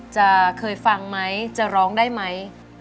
จะเคยฟังไหมจะร้องได้ไหม